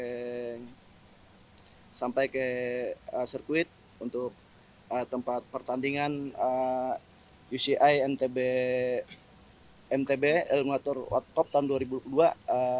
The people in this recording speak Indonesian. dan sampai ke sirkuit untuk tempat pertandingan uci mtb eliminator world cup tahun dua ribu dua puluh dua